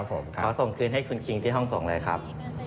ขอส่งคืนให้คุณคิงที่ห้องส่งเลยครับ